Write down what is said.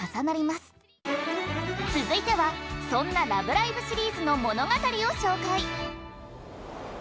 続いてはそんな「ラブライブ！」シリーズの物語を紹介。